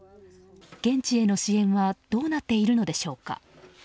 現地への支援はどうなっているのでしょうか。